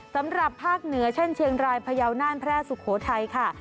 สำหรับภาคเหนือเช่นเชียงรายพยาวน่านแพร่สุโขทัยค่ะ